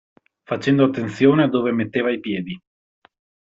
Facendo attenzione a dove metteva i piedi.